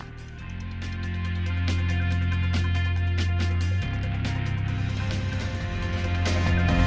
terima kasih pak tony